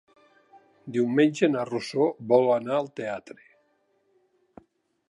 Diumenge na Rosó vol anar al teatre.